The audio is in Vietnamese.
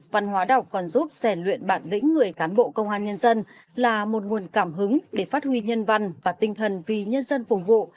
văn hóa đọc còn giúp sẻ luyện bản lĩnh người cán bộ công an nhân dân là một nguồn cảm hứng để phát huy nhân văn và tinh thần vì nhân dân phục vụ